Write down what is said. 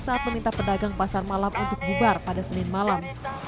saat meminta pedagang pasar malam untuk bubar pada senin malam